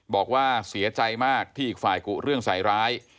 บอกว่าเสียใจมากที่อีกฝ่ายกุเรื่องใส่ร้าย